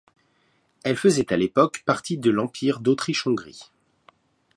Elle faisait à l'époque partie de l'Empire d'Autriche-Hongrie.